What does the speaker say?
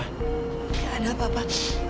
nggak ada apa apa